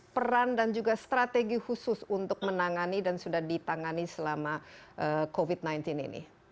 peran dan juga strategi khusus untuk menangani dan sudah ditangani selama covid sembilan belas ini